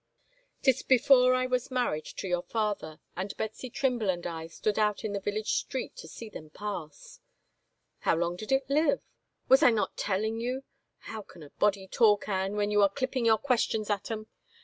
'Twas before I was married to your father and Betsy Trimble and I stood out in the village street to see them pass —" "How long did it live?" " Was I not telling you ? How can a body talk, Anne, when you are clipping your questions at 'em